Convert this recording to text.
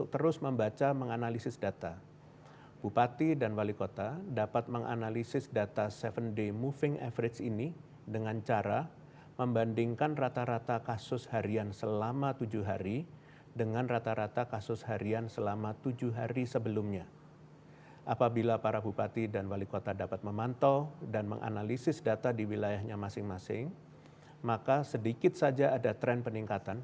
terima kasih pada republika dan